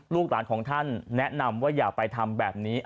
ลูกหลานของท่านแนะนำว่าอย่าไปทำแบบนี้